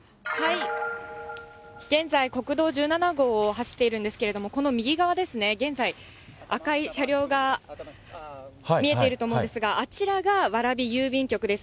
現在、国道１７号を走っているんですけれども、この右側ですね、現在、赤い車両が見えていると思うんですが、あちらが蕨郵便局です。